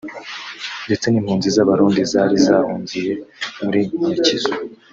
ndetse n’impunzi z’Abarundi zari zahungiye muri Nyakizu